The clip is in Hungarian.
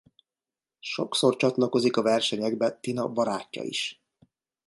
Sokszor csatlakozik a versenyekbe Tina barátja is.